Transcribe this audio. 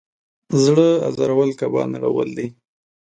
زړه ازارول کعبه نړول دی.